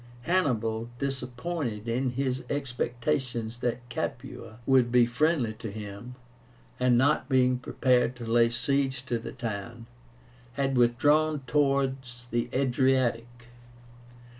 Hannibal, disappointed in his expectations that Capua would be friendly to him, and not being prepared to lay siege to the town, had withdrawn towards the Adriatic.